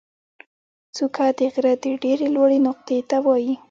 څوکه د غره د ډېرې لوړې نقطې ته وایي.